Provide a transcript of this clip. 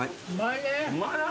うまいな。